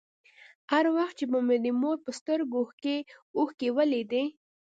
هر وخت چې به مې د مور په سترگو کښې اوښکې ولېدې.